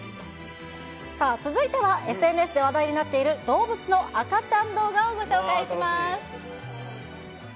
さあ、続いては、ＳＮＳで話題になっている動物の赤ちゃん動画をご紹介します。